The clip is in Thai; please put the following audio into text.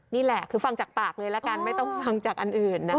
นี่แหละคือฟังจากปากเลยละกันไม่ต้องฟังจากอันอื่นนะคะ